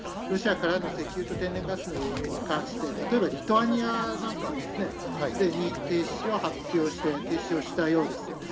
ロシアからの石油と天然ガスの輸入に関して例えばリトアニアなんかは、すでに停止を発表して、停止をしたようです。